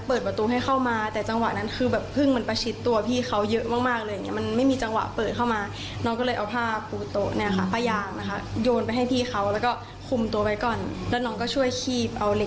นี่แหละครับคาดว่ามันทำรังอยู่สักเดือนกว่าแล้ว